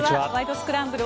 スクランブル」